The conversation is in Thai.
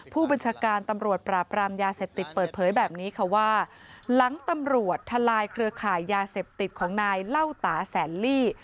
ผู้บัญชาการตำรวจปราบรามยาเสพติดเปิดเผยแบบนี้ค่ะว่าหลังตำรวจทลายเครือข่ายยาเสพติดของนายเล่าตาแสนลี่